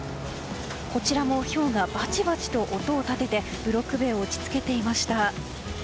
こちらもひょうがバチバチと音を立ててブロック塀を打ち付けていました。